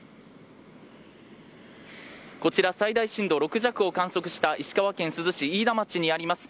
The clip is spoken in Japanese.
こちら、最大震度６弱を観測した石川県珠洲市飯田町にあります